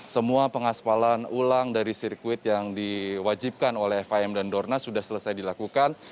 semua pengaspalan ulang dari sirkuit yang diwajibkan oleh fim dan dorna sudah selesai dilakukan